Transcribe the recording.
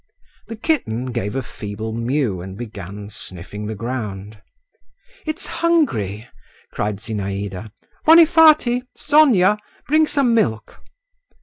The kitten gave a feeble mew and began sniffing the ground. "It's hungry!" cried Zinaïda. "Vonifaty, Sonia! bring some milk."